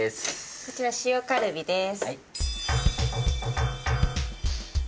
こちら塩カルビです。